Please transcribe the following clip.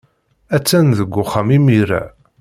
Attan deg uxxam imir-a.